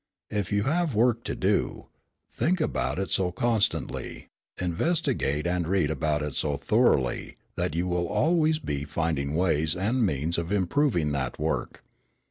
If you have work to do, think about it so constantly, investigate and read about it so thoroughly, that you will always be finding ways and means of improving that work.